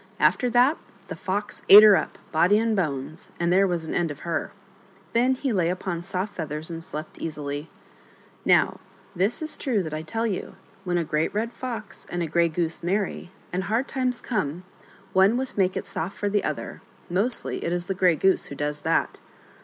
After that the Fox ate her up, body and bones, and there was an end of her. Then he lay upon soft feathers and slept easily. Now this is true that I tell you : when a great red fox and a grey goose marry, and hard times come, one must make it soft for the other — mostly it is the grey goose who does that.